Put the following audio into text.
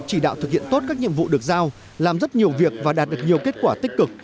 chỉ đạo thực hiện tốt các nhiệm vụ được giao làm rất nhiều việc và đạt được nhiều kết quả tích cực